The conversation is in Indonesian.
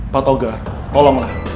pak togar tolonglah